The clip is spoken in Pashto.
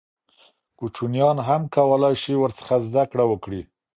کوچنیان هم کولای سي ورڅخه زده کړه وکړي.